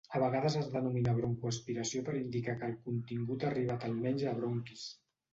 A vegades es denomina broncoaspiració per indicar que el contingut ha arribat almenys a bronquis.